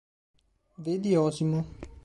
Vedi Osimo.